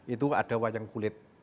itu ada wayang kulit